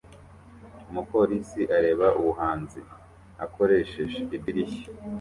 Umupolisi areba ubuhanzi akoresheje idirishya